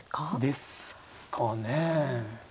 ですかねえ。